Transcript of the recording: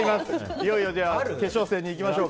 いよいよ決勝戦にいきましょう。